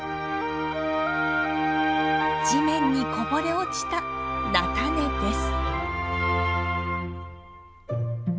地面にこぼれ落ちた菜種です。